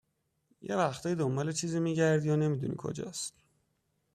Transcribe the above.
یه وقتایی دنبال چیزی میگردی و نمیدونی کجاس